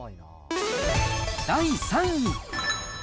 第３位。